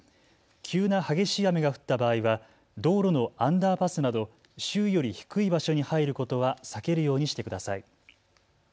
急な激しい雨が降った場合は道路のアンダーパスなど周囲より低い場所に入ることは避けるようにしてください。